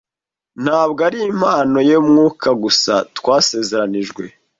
Ntabwo ari impano ya Mwuka gusa twasezeranijwe,